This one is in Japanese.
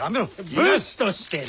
武士としてな。